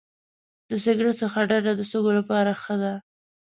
د سګرټ څخه ډډه د سږو لپاره ښه ده.